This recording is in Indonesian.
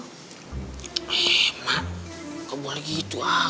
eh emang kok boleh gitu ah